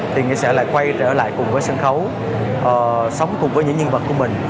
thì nghĩa sẽ quay trở lại cùng với sân khấu sống cùng với những nhân vật của mình